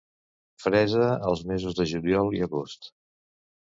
Fresa als mesos de juliol i agost.